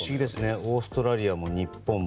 オーストラリアも日本も